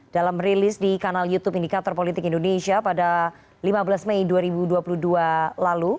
dalam rilis di kanal youtube indikator politik indonesia pada lima belas mei dua ribu dua puluh dua lalu